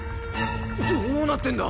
どうなってんだ？